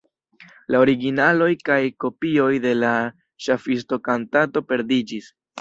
La originaloj kaj kopioj de la ŝafisto-kantato perdiĝis.